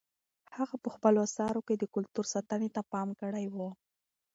هغه په خپلو اثارو کې د کلتور ساتنې ته پام کړی و.